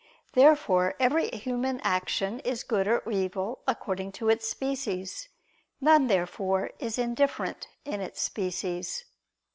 Therefore every human action is good or evil according to its species. None, therefore, is indifferent in its species.